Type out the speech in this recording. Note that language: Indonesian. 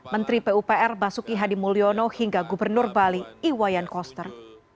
menteri pupr basuki hadi mulyono hingga gubernur bali iwayan koster